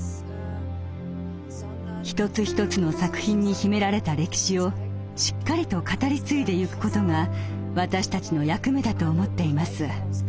一つ一つの作品に秘められた歴史をしっかりと語り継いでゆくことが私たちの役目だと思っています。